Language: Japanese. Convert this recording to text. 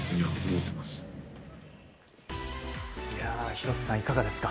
廣瀬さん、いかがですか。